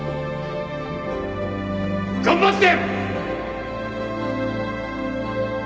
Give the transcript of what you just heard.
頑張って！